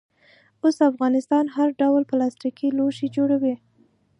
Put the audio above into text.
اوس افغانستان هر ډول پلاستیکي لوښي جوړوي.